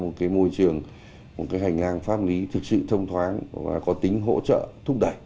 một cái môi trường một cái hành lang pháp lý thực sự thông thoáng và có tính hỗ trợ thúc đẩy